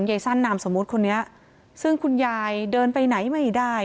สั้นนามสมมุติคนนี้ซึ่งคุณยายเดินไปไหนไม่ได้